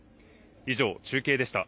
以上、中継でした。